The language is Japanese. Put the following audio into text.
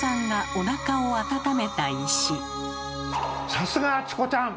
さすがチコちゃん！